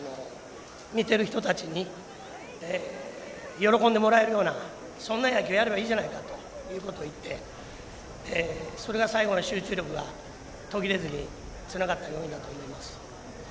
見てる人たちに喜んでもらえるようなそんな野球やればいいじゃないかということを言ってそれが最後の集中力が途切れずにつながった要因だと思います。